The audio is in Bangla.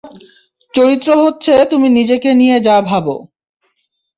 চরিত্র হচ্ছে তুমি নিজেকে নিয়ে যা ভাবো।